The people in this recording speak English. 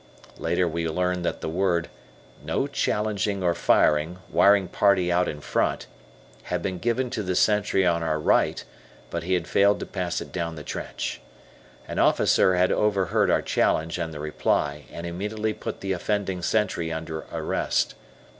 Later we learned that the word, "No challenging or firing, wiring party out in front," had been given to the sentry on our right, but he had failed to pass it down the trench. An officer had overheard our challenge and the reply, and immediately put the offending sentry under arrest.